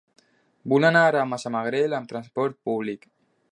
Vull anar a Massamagrell amb transport públic.